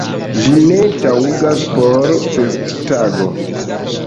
Ĝi ne taŭgas por festtago!